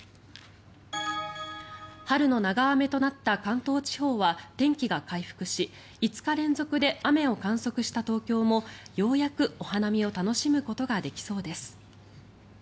春の長雨となった関東地方は天気が回復し５日連続で雨を観測した東京もようやくお花見を楽しむことができそうです。